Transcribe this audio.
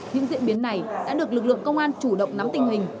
những diễn biến này đã được lực lượng công an chủ động nắm tình hình